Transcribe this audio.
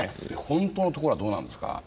本当のところはどうなんですか？